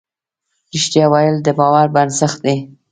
رښتیا ویل د باور بنسټ دی.